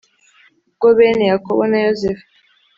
Bwo bene yakobo na yosefu